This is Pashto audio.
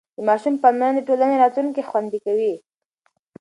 د ماشوم پاملرنه د ټولنې راتلونکی خوندي کوي.